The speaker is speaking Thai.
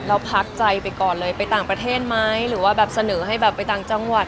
พักใจไปก่อนเลยไปต่างประเทศไหมหรือว่าแบบเสนอให้แบบไปต่างจังหวัด